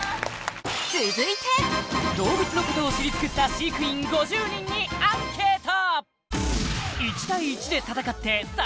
続いて動物のことを知り尽くした飼育員５０人にアンケート！